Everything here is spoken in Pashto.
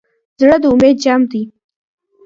زړه د امید جام دی.